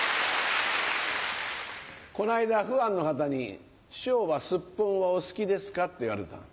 この間ファンの方に「師匠はスッポンはお好きですか？」って言われたの。